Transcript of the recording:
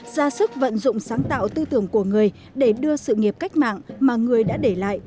ra sức vận dụng sáng tạo tư tưởng của người để đưa sự nghiệp cách mạng mà người đã để lại